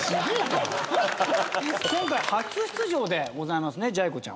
今回初出場でございますねぢゃ